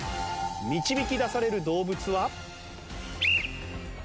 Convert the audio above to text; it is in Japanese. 導き出される動物は？